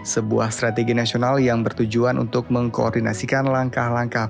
sebuah strategi nasional yang bertujuan untuk mengkoordinasikan langkah langkah